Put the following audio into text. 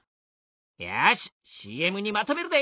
よしＣＭにまとめるで！